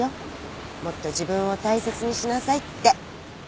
もっと自分を大切にしなさいって。